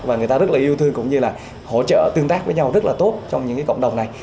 và người ta rất là yêu thương cũng như là hỗ trợ tương tác với nhau rất là tốt trong những cộng đồng này